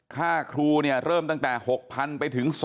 ค่าครูเนี่ยเริ่มตั้งแต่๖๐๐๐ไปถึง๒๐๐